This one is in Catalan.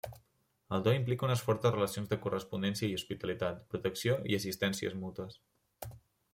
El do implica unes fortes relacions de correspondència i hospitalitat, protecció i assistències mútues.